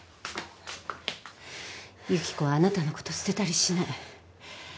由紀子はあなたのこと捨てたりしない。